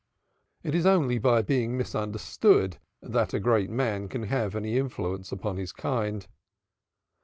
It is only by being misunderstood that a great man can have any influence upon his kind.